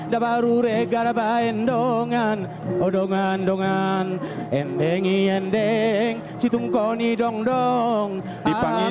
dawaru regarabain dong an odongan dongan endengi endeng situng koni dong dong dipanggil